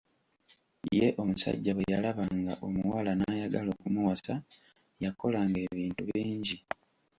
Ye omusajja bwe yalabanga omuwala n’ayagala okumuwasa, yakolanga ebintu bingi.